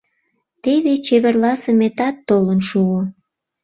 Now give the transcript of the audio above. Теве чеверласыме тат толын шуо.